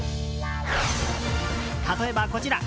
例えば、こちら。